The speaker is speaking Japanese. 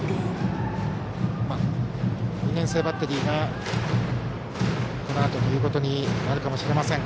２年生バッテリーがこのあとということになるかもしれません。